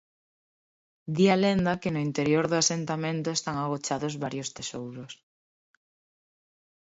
Di a lenda que no interior do asentamento están agochados varios tesouros.